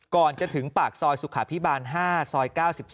ก่อนจะถึงปากซอยสุขาพิบาล๕ซอย๙๒